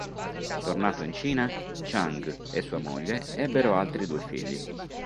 Tornato in Cina, Chiang e sua moglie ebbero altri due figli.